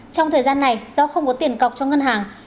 trong thời gian này do không có tiền cọc cho ngân hàng